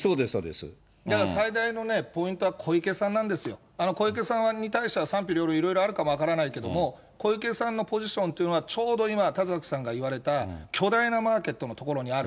だから、最大のポイントは小池さんなんですよ。小池さんに対しては賛否両論、いろいろあるかも分からないけど、小池さんのポジションっていうのは、ちょうど今、田崎さんが言われた、巨大なマーケットのところにある。